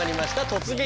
「突撃！